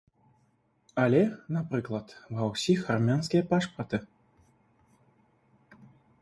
Але, напрыклад, ва ўсіх армянскія пашпарты.